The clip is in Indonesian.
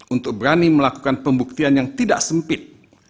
untuk berani melakukan pembuktian yang tidak sempit